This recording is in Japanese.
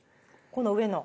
この上の？